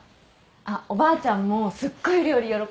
あっおばあちゃんもすっごい料理喜んでたし。